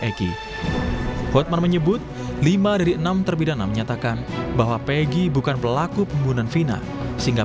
eki hotman menyebut lima dari enam terpidana menyatakan bahwa pegi bukan pelaku pembunuhan final sehingga